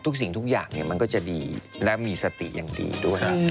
สิ่งทุกอย่างมันก็จะดีและมีสติอย่างดีด้วย